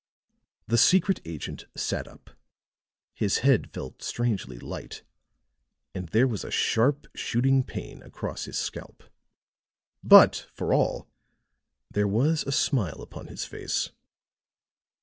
The secret agent sat up; his head felt strangely light, and there was a sharp, shooting pain across his scalp. But, for all, there was a smile upon his face.